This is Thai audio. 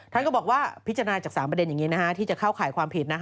ท่านก็บอกว่าพิจารณาจาก๓ประเด็นอย่างนี้ที่จะเข้าข่ายความผิด